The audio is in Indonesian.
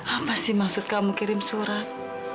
apa sih maksud kamu kirim surat